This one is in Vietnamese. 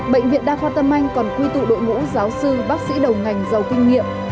bệnh viện đa khoa tâm anh còn quy tụ đội ngũ giáo sư bác sĩ đầu ngành giàu kinh nghiệm